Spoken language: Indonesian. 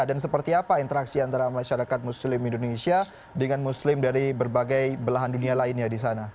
dan seperti apa interaksi antara masyarakat muslim indonesia dengan muslim dari berbagai belahan dunia lain ya di sana